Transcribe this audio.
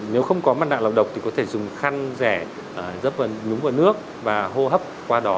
nếu không có mặt nạ lọc độc thì có thể dùng khăn rẻ dấp vào nhúng vào nước và hô hấp qua đó